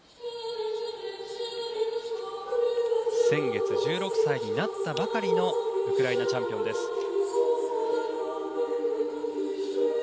先月１６歳になったばかりのウクライナチャンピオンです。